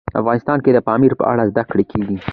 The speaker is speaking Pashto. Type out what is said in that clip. افغانستان کې د پامیر په اړه زده کړه کېږي.